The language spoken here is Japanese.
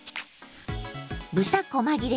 豚こま切れ